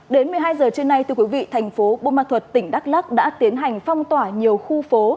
đến một mươi hai h trưa nay thành phố bô ma thuật tỉnh đắk lắc đã tiến hành phong tỏa nhiều khu phố